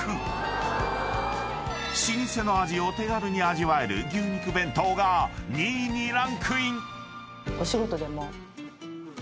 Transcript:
［老舗の味を手軽に味わえる牛肉弁当が２位にランクイン］